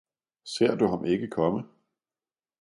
Ser du ham ikke komme?